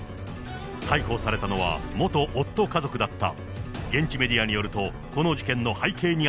逮捕されたのは元夫家族だった。